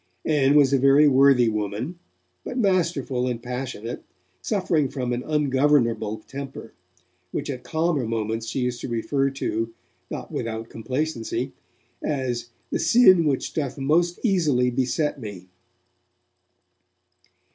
Ann was a very worthy woman, but masterful and passionate, suffering from an ungovernable temper, which at calmer moments she used to refer to, not without complacency, as 'the sin which doth most easily beset me'.